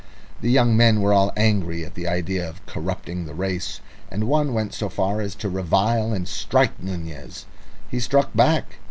The young men were all angry at the idea of corrupting the race, and one went so far as to revile and strike Nunez. He struck back.